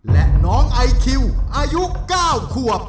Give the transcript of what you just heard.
และน้องไอคิวอายุ๙ขวบ